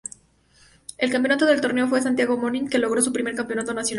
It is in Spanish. El campeón del torneo fue Santiago Morning, que logró su primer campeonato nacional.